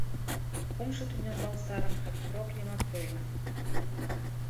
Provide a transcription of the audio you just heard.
— Кумшо тӱнямбал сарым рок йымак тоена.